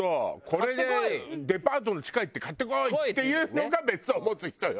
「これでデパートの地下行って買ってこい」って言うのが別荘を持つ人よ。